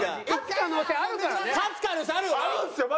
勝つ可能性あるよな？